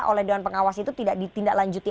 oleh dewan pengawas itu tidak ditindaklanjuti